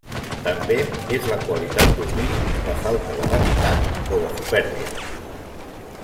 També és la qualitat d'humil, de falta de vanitat o de supèrbia.